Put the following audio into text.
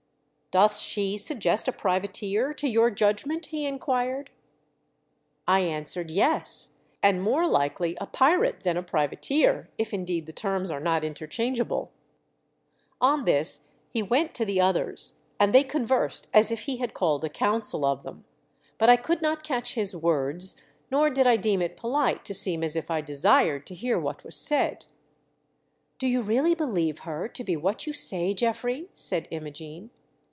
"Doth she suggest a privateer to vour judgment ?" he inquired. 2 A 354 THE DEATH SHIP. I answered, " Yes ; and more likely a pirate than a privateer, if indeed the terms are not interchangeable." On this he went to the others, and they conversed as if he had called a council of them ; but I could not catch his words, nor did I deem it polite to seem as if I desired to hear what was said, " Do you really believe her to be what you say, Geoffrey?" said Imogene.